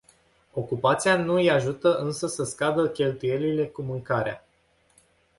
Ocupația nu îi ajută însă să scadă cheltuielile cu mâncarea.